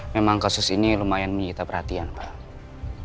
memang kasus ini lumayan menyita perhatian pak